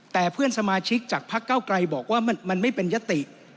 แต่เพื่อนสมาชิกจากพักเก้าไกรบอกว่ามันไม่เป็นยติ